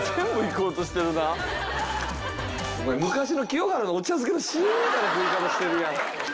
お前昔の清原のお茶漬けのＣＭみたいな食い方してるやん。